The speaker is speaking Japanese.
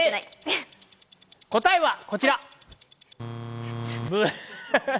答えはこちら。